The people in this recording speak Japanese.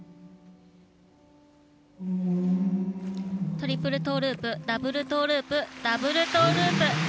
トリプルトーループダブルトーループダブルトーループ！